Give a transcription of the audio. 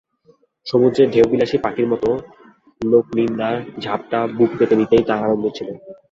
সমুদ্রের ঢেউ-বিলাসী পাখির মতো লোকনিন্দার ঝাপট বুক পেতে নিতেই তাঁর আনন্দ ছিল।